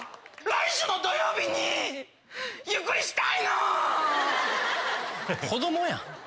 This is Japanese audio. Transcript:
来週の土曜日にゆっくりしたいの‼子供やん。